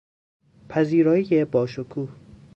پذیرایی با شکوه